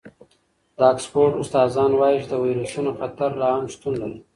د اکسفورډ استادان وايي چې د وېروسونو خطر لا هم شتون لري.